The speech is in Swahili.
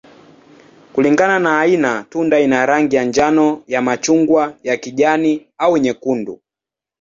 Kulingana na aina, tunda ina rangi ya njano, ya machungwa, ya kijani, au nyekundu.